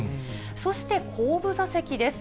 そして後部座席です。